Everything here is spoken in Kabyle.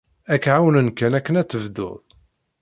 Ad k-ɛawnen kan akken ad tebdud.